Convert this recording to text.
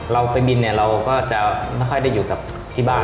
เราไปบินเนี่ยเราก็จะไม่ค่อยได้อยู่กับที่บ้าน